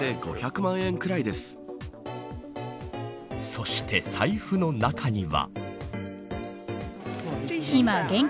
そして、財布の中には。